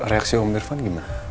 reaksi om irfan gimana